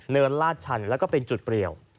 ลาดชันแล้วก็เป็นจุดเปรียว